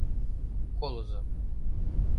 Колызо